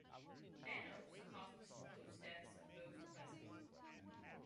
Thanos caused the supposed deaths of those present.